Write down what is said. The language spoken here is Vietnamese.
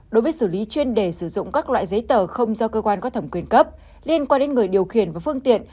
đối với xử lý chuyên đề sử dụng các loại giấy tờ không do cơ quan có thẩm quyền cấp liên quan đến người điều khiển và phương tiện